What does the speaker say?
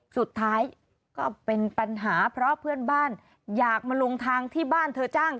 สุดท้ายก็เป็นปัญหาเพราะเพื่อนบ้านอยากมาลงทางที่บ้านเธอจ้าง